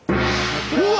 うわ！